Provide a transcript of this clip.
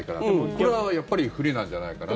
これはやっぱり不利なんじゃないかなと。